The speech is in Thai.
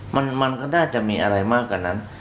มันมันก็น่าจะมีอะไรมากกว่านั้น